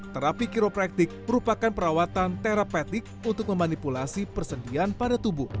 terapi kiropraktik merupakan perawatan terapetik untuk memanipulasi persendian pada tubuh